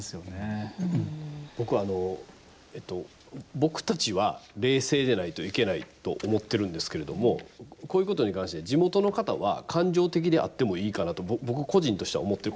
僕たちは冷静でないといけないと思っているんですけれどもこういうことに関して地元の方は感情的であってもいいかなと僕個人としては思っている。